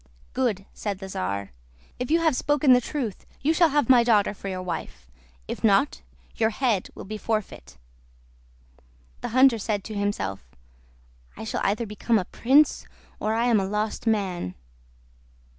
"Good," said the czar. "If you have spoken the truth you shall have my daughter for your wife; if not, your head will be the forfeit." The hunter said to himself, "I shall either become a prince, or I am a lost man."